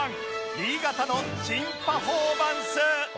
新潟の珍パフォーマンス